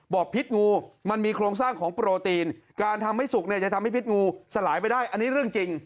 พิษงูมันมีโครงสร้างของโปรตีนการทำให้สุกเนี่ยจะทำให้พิษงูสลายไปได้อันนี้เรื่องจริง